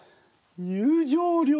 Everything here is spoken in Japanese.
入場料。